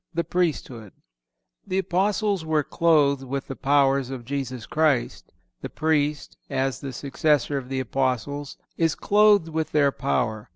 THE PRIESTHOOD. The Apostles were clothed with the powers of Jesus Christ. The Priest, as the successor of the Apostles, is clothed with their power.